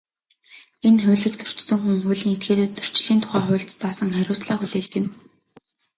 Энэ хуулийг зөрчсөн хүн, хуулийн этгээдэд Зөрчлийн тухай хуульд заасан хариуцлага хүлээлгэнэ.